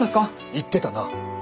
行ってたな？